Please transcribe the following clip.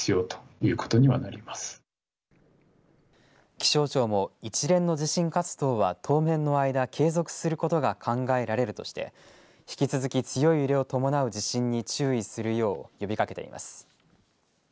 気象庁も一連の地震活動は当面の間継続することが考えられるとして引き続き強い揺れを伴う地震に注意するよう呼びかけています。